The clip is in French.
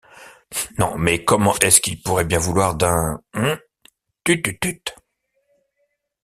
Non mais comment est-ce qu’il pourrait bien vouloir d’un-- — Tututut !